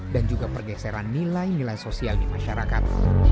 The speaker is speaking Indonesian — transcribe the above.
juga pergeseran nilai nilai sosial di masyarakat